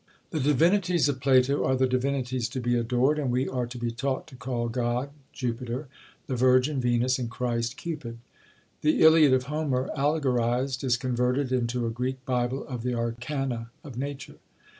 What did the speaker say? The divinities of Plato are the divinities to be adored, and we are to be taught to call God, Jupiter; the Virgin, Venus; and Christ, Cupid! The Iliad of Homer allegorised, is converted into a Greek bible of the arcana of nature!